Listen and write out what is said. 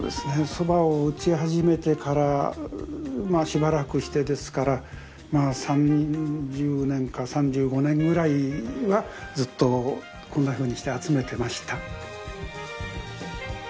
蕎麦を打ち始めてからしばらくしてですから３０年か３５年ぐらいはずっとこんなふうにして集めてました。